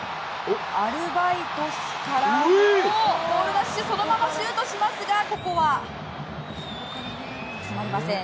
アルハイドスからボール奪取してそのままシュートしますがここは決まりません。